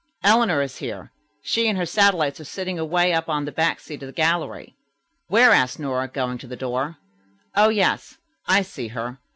"Eleanor is here. She and her satellites are sitting away up on the back seat of the gallery." "Where?" asked Nora, going to the door. "Oh, yes, I see her.